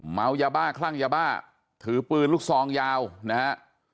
เมายาบ้าคลั่งยาบ้าถือปืนลูกซองยาวนะฮะ